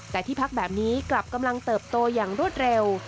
แต่ที่พักแบบนี้กลับกำลังเติบโตอย่างรวดเร็ว